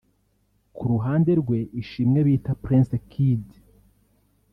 Ku ruhande rwe Ishimwe bita Prince Kid